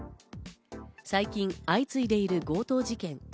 最近、相次いでいる強盗事件。